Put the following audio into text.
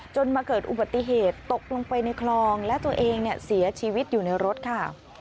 มาเกิดอุบัติเหตุตกลงไปในคลองและตัวเองเสียชีวิตอยู่ในรถค่ะ